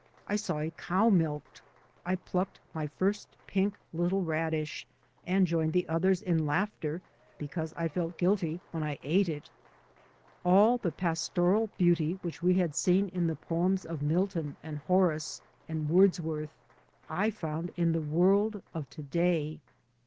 I saw a cow milked. I plucked my first pink little radish, and joined the others in laughter because I felt guilty when I ate it. All the pastoral beauty which we had seen in the 3 by Google MY MOTHER AND I poems of Milton and Horace and Words worth I found in the world of to day.